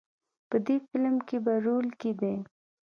په دې فیلم کې په رول کې دی.